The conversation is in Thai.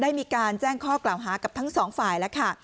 ได้มีการแจ้งข้อกล่าวหากับทั้งสองฝ่ายแล้วค่ะ